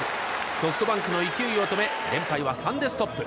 ソフトバンクの勢いを止め連敗は３でストップ。